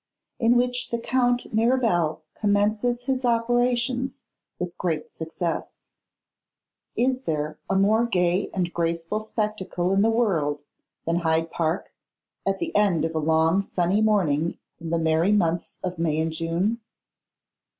In Which the Count Mirabel Commences His Operations with Great Success. IS THERE a more gay and graceful spectacle in the world than Hyde Park, at the end of a long sunny morning in the merry months of May and June?